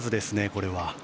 これは。